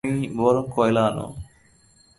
তুমি বরং কয়লা আনো।